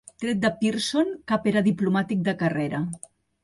Tret de Pearson, cap era diplomàtic de carrera.